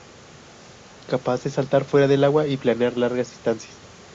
Capaz de saltar fuera del agua y planear largas distancias.